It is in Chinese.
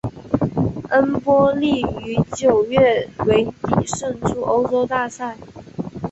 恩波利于九月尾底胜出欧洲大赛。